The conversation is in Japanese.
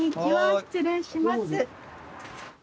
失礼します。